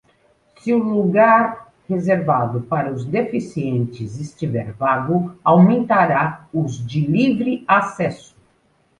Se o lugar reservado para os deficientes estiver vago, aumentará os de livre acesso.